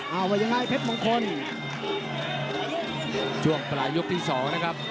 เอาก็ยังไงเพชรมงคล